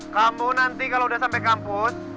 kamu nanti kalau udah sampai kampus